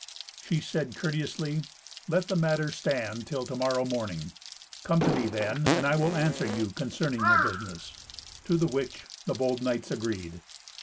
She said courteously, "Let the matter stand till to morrow morning. Come to me then; and I will answer you concerning your business." To the which the bold knights agreed.